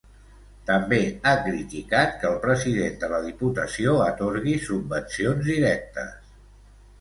També ha criticat que el president de la Diputació atorgui subvencions directes.